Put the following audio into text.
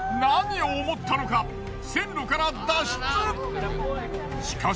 何を思ったのか線路から脱出！